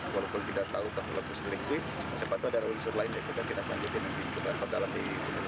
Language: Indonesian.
walaupun kita tahu kapal lepus berlintik sepatu ada usur lain yang kita tindaklanjuti mungkin juga ke dalam di